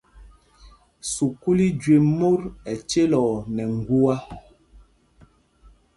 Sukûl í jüé mot ɛcelɔɔ nɛ ŋgua.